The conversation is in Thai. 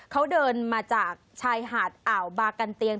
เขาเดินมาจากชายหาดอ่าวบากันเตียง